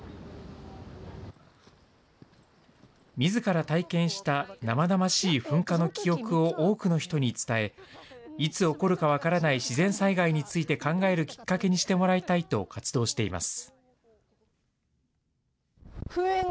みずから体験した生々しい噴火の記憶を多くの人に伝え、いつ起こるか分からない自然災害について考えるきっかけにしてもらいたいと活動しています。